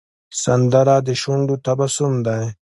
سندره د شونډو تبسم دی